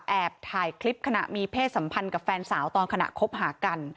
แอบถ่ายคลิปขณะมีเพศสัมพันธ์กับแฟนสาวตอนขณะคบหากัน